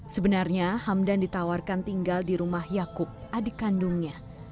sebenarnya hamdan ditawarkan tinggal di rumah yaakub adik kandungnya